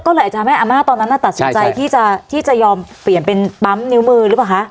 ก็เลยอาจจะทำให้อาม่าตอนนั้นตัดสินใจที่จะยอมเปลี่ยนเป็นปั๊มนิ้วมือหรือเปล่าคะ